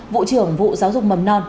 vụ trưởng vụ giáo dục mầm non